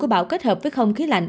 của bão kết hợp với không khí lạnh